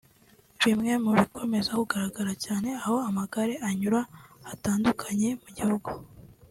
Bimwe mu bikomeza kugaragara cyane aho amagare anyura hatandukanye mu gihugu